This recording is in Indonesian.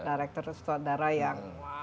director sutradara yang